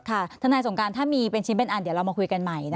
ทนายสงการถ้ามีเป็นชิ้นเป็นอันเดี๋ยวเรามาคุยกันใหม่